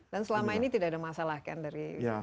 dan selama ini tidak ada masalah kan dari semua diimplementasi